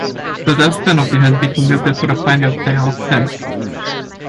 The death penalty has been commuted for a fine of ten oxen.